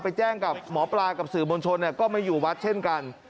ไปแจ้งกับหมอปลากับสื่อมวลชนก็ไม่อยู่วัดเช่นกัน